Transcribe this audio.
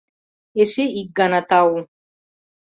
— Эше ик гана тау.